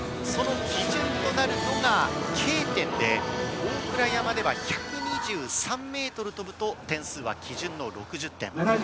その基準となるのが、Ｋ点で、大倉山では１２３ｍ飛ぶと点数は基準の６０点。